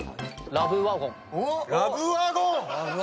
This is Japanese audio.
ラブワゴンきた。